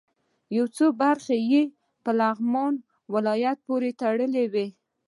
یو څه برخې یې په لغمان ولایت پورې تړلې وې.